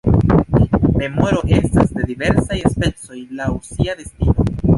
Memoro estas de diversaj specoj laŭ sia destino.